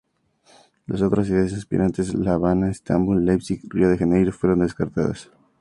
Las otras ciudades aspirantes —La Habana, Estambul, Leipzig y Río de Janeiro— fueron descartadas.